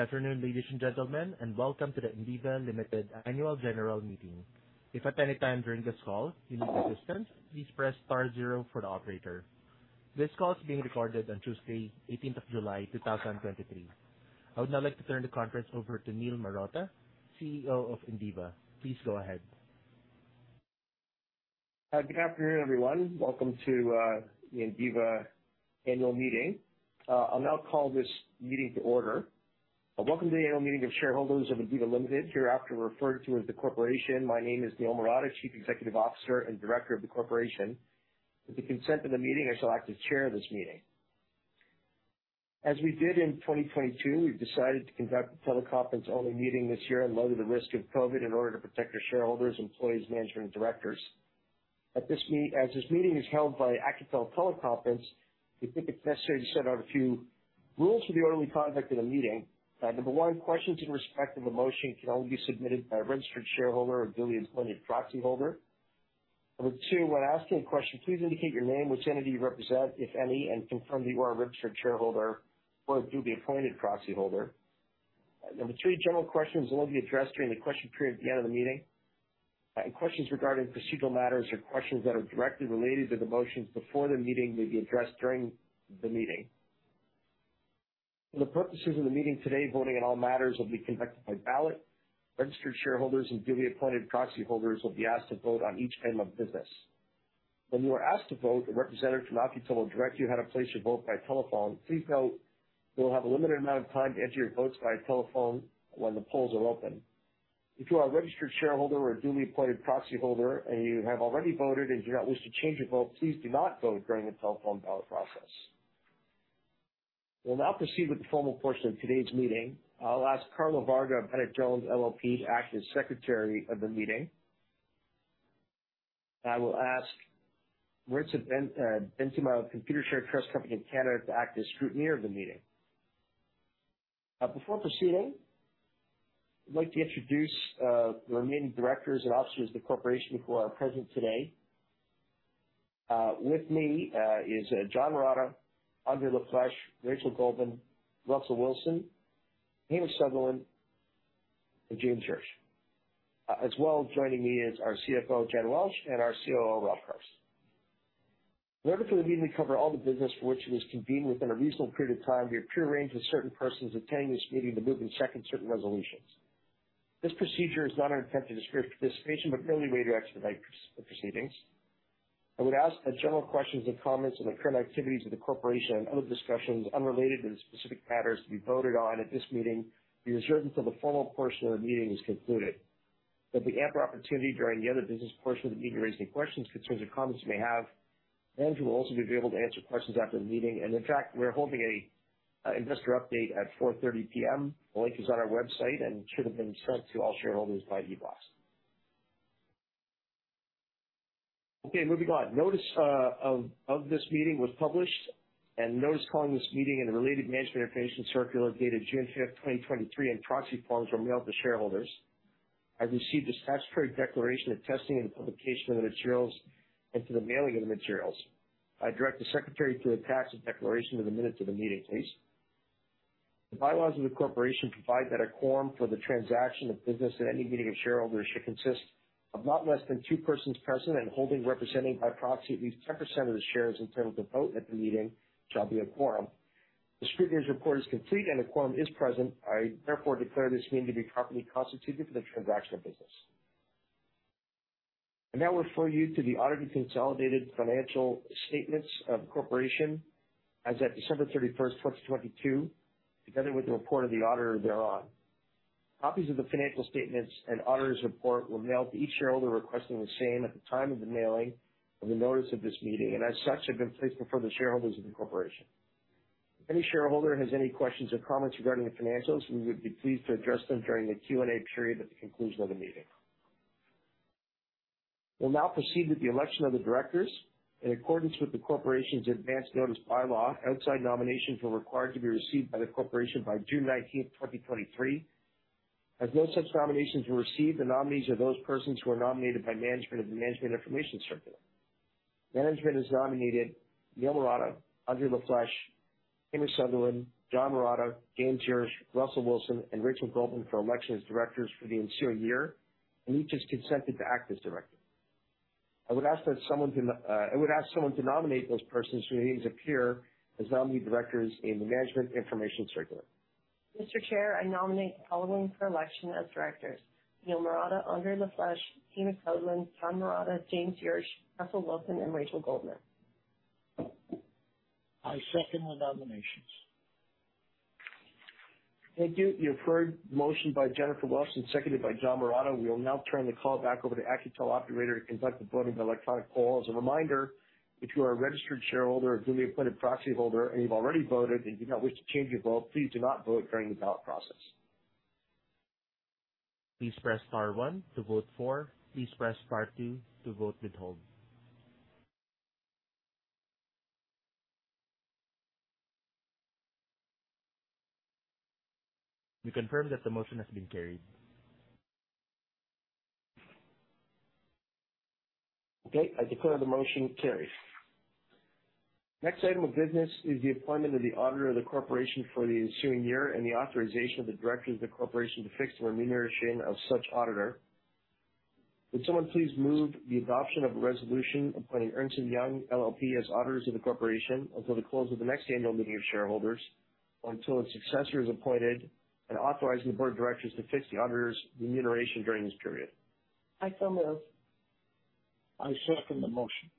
Good afternoon, ladies and gentlemen, and welcome to the Indiva Limited Annual General Meeting. If at any time during this call you need assistance, please press star zero for the operator. This call is being recorded on Tuesday, 18th of July, 2023. I would now like to turn the conference over to Niel Marotta, CEO of Indiva. Please go ahead. Good afternoon, everyone. Welcome to the Indiva annual meeting. I'll now call this meeting to order. Welcome to the annual meeting of shareholders of Indiva Limited, hereafter referred to as the corporation. My name is Niel Marotta, Chief Executive Officer and Director of the Corporation. With the consent of the meeting, I shall act as chair of this meeting. As we did in 2022, we've decided to conduct a teleconference-only meeting this year in light of the risk of COVID, in order to protect our shareholders, employees, management, and directors. As this meeting is held by Accutel Teleconferencing, we think it's necessary to set out a few rules for the orderly conduct of the meeting. Number one, questions in respect of the motion can only be submitted by a registered shareholder or duly appointed proxyholder. Number two, when asking a question, please indicate your name, which entity you represent, if any, and confirm you are a registered shareholder or a duly appointed proxyholder. Number three, general questions will only be addressed during the question period at the end of the meeting. Questions regarding procedural matters or questions that are directly related to the motions before the meeting may be addressed during the meeting. For the purposes of the meeting today, voting on all matters will be conducted by ballot. Registered shareholders and duly appointed proxyholders will be asked to vote on each item of business. When you are asked to vote, a representative from Accutel will direct you how to place your vote by telephone. Please note you'll have a limited amount of time to enter your votes by telephone when the polls are open. If you are a registered shareholder or a duly appointed proxyholder, and you have already voted, and you do not wish to change your vote, please do not vote during the telephone ballot process. We'll now proceed with the formal portion of today's meeting. I'll ask Carla Varga of Bennett Jones LLP to act as Secretary of the meeting. I will ask Marisa Bensiman of Computershare Trust Company of Canada to act as scrutineer of the meeting. Before proceeding, I'd like to introduce the remaining directors and officers of the corporation who are present today. With me is John Marotta, Andre Lafleche, Rachel Goldman, Russell Wilson, Hamish Sutherland, and James Jersch. As well, joining me is our CFO, Jennifer Welsh, and our COO, Rob Carse.In order for the meeting to cover all the business for which it is convened within a reasonable period of time, we have prearranged with certain persons attending this meeting to move and second certain resolutions. This procedure is not an attempt to disrupt participation, but merely a way to expedite the proceedings. I would ask that general questions and comments on the current activities of the corporation and other discussions unrelated to the specific matters to be voted on at this meeting be reserved until the formal portion of the meeting is concluded. There'll be ample opportunity during the other business portion of the meeting to raise any questions, concerns, or comments you may have. Management will also be available to answer questions after the meeting, and in fact, we're holding a investor update at 4:30 P.M. The link is on our website and should have been sent to all shareholders by e-blast. Okay, moving on. Notice of this meeting was published, notice calling this meeting and the related Management Information Circular, dated June 5, 2023, and proxy forms were mailed to shareholders. I've received the statutory declaration of testing and publication of the materials and to the mailing of the materials. I direct the Secretary to attach the declaration to the minutes of the meeting, please. The bylaws of the corporation provide that a quorum for the transaction of business at any meeting of shareholders should consist of not less than two persons present and holding, representing by proxy, at least 10% of the shares entitled to vote at the meeting shall be a quorum. The scrutineer's report is complete. A quorum is present. I therefore declare this meeting to be properly constituted for the transaction of business. I now refer you to the audited consolidated financial statements of the corporation as at December 31st, 2022, together with the report of the auditor thereon. Copies of the financial statements and auditor's report were mailed to each shareholder requesting the same at the time of the mailing of the notice of this meeting, and as such, have been placed before the shareholders of the corporation. If any shareholder has any questions or comments regarding the financials, we would be pleased to address them during the Q&A period at the conclusion of the meeting. We'll now proceed with the election of the directors. In accordance with the corporation's advanced notice bylaw, outside nominations were required to be received by the corporation by June 19th, 2023. As no such nominations were received, the nominees are those persons who are nominated by management in the Management Information Circular. Management has nominated Niel Marotta, Andre Lafleche, Hamish Sutherland, John Marotta, James Jersch, Russell Wilson, and Rachel Goldman for election as directors for the ensuing year, and each has consented to act as director. I would ask someone to nominate those persons whose names appear as nominee directors in the Management Information Circular. Mr. Chair, I nominate the following for election as directors: Niel Marotta, Andre Lafleche, Hamish Sutherland, John Marotta, James Jersch, Russell Wilson, and Rachel Goldman. I second the nominations. Thank you. You have heard the motion by Jennifer Welsh and seconded by John Marotta. We will now turn the call back over to the Accutel operator to conduct the vote in the electronic call. As a reminder, if you are a registered shareholder or a duly appointed proxyholder, and you've already voted, and you do not wish to change your vote, please do not vote during the ballot process. Please press star one to vote for. Please press star two to vote withhold. We confirm that the motion has been carried. Okay, I declare the motion carries. Next item of business is the appointment of the auditor of the corporation for the ensuing year and the authorization of the directors of the corporation to fix the remuneration of such auditor. Would someone please move the adoption of a resolution appointing Ernst & Young LLP as auditors of the corporation until the close of the next annual meeting of shareholders, or until a successor is appointed, and authorizing the board of directors to fix the auditor's remuneration during this period? I so move. I second the motion.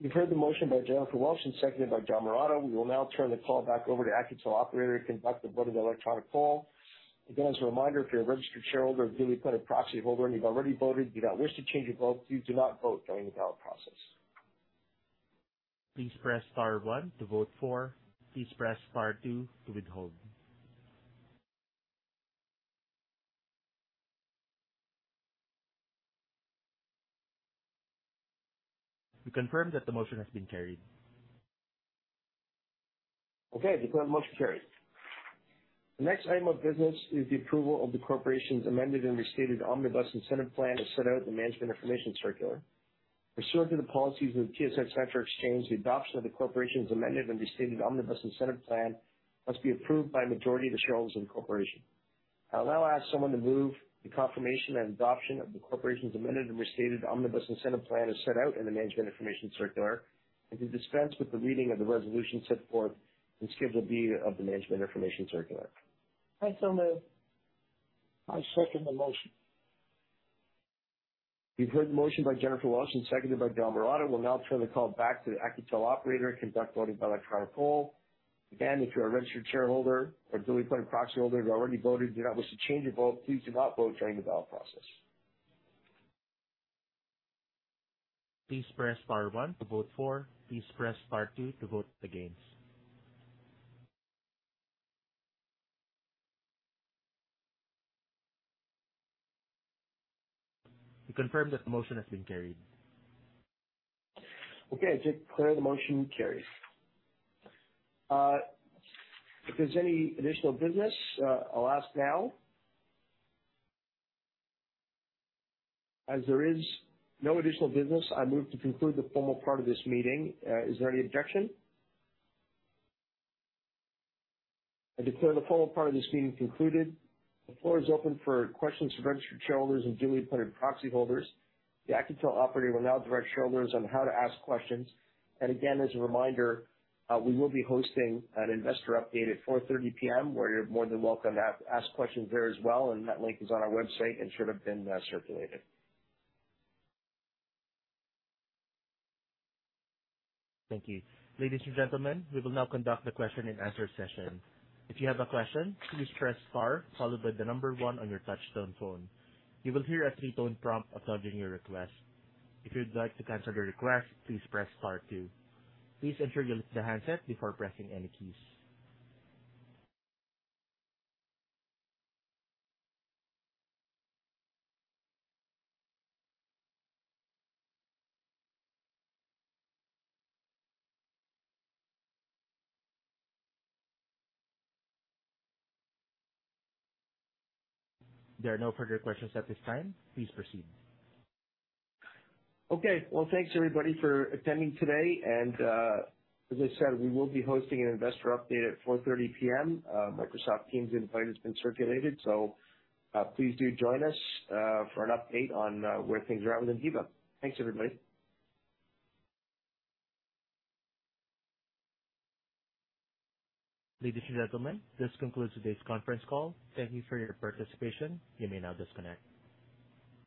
You've heard the motion by Jennifer Welsh and seconded by John Marotta. We will now turn the call back over to the operator to conduct the vote of the electronic call. Again, as a reminder, if you're a registered shareholder, or duly appointed proxy holder, and you've already voted, do not wish to change your vote, please do not vote during the ballot process. Please press star one to vote for. Please press star two to withhold. We confirm that the motion has been carried. Okay, I declare the motion carries. The next item of business is the approval of the corporation's amended and restated omnibus incentive plan, as set out in the management information circular. Pursuant to the policies of the TSX Venture Exchange, the adoption of the corporation's amended and restated omnibus incentive plan must be approved by a majority of the shareholders of the corporation. I'll now ask someone to move the confirmation and adoption of the corporation's amended and restated omnibus incentive plan, as set out in the management information circular, and to dispense with the reading of the resolution set forth in Schedule B of the management information circular. I so move. I second the motion. We've heard the motion by Jennifer Welsh and seconded by John Marotta. We'll now turn the call back to the operator to conduct voting by electronic call. If you're a registered shareholder or duly appointed proxy holder who already voted, do not wish to change your vote, please do not vote during the ballot process. Please press star one to vote for. Please press star two to vote against. We confirm that the motion has been carried. Okay, I declare the motion carries. If there's any additional business, I'll ask now. As there is no additional business, I move to conclude the formal part of this meeting. Is there any objection? I declare the formal part of this meeting concluded. The floor is open for questions from registered shareholders and duly appointed proxy holders. The operator will now direct shareholders on how to ask questions. Again, as a reminder, we will be hosting an investor update at 4:30 P.M., where you're more than welcome to ask questions there as well. That link is on our website and should have been circulated. Thank you. Ladies and gentlemen, we will now conduct the question and answer session. If you have a question, please press star followed by the number one on your touch-tone phone. You will hear a three-tone prompt acknowledging your request. If you'd like to cancel your request, please press star two. Please ensure you lift the handset before pressing any keys. There are no further questions at this time. Please proceed. Okay. Well, thanks, everybody, for attending today. As I said, we will be hosting an investor update at 4:30 P.M. Microsoft Teams invite has been circulated, please do join us for an update on where things are at with Indiva. Thanks, everybody. Ladies and gentlemen, this concludes today's conference call. Thank you for your participation. You may now disconnect.